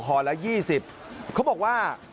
ห่อละ๒๐เขาบอกว่า